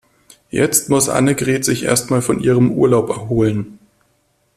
Jetzt muss Annegret sich erst mal von ihrem Urlaub erholen.